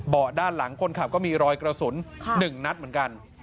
ด้านหลังคนขับก็มีรอยกระสุน๑นัดเหมือนกัน